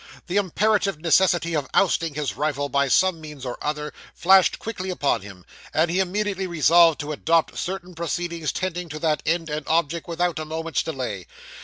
The imperative necessity of ousting his rival by some means or other, flashed quickly upon him, and he immediately resolved to adopt certain proceedings tending to that end and object, without a moment's delay.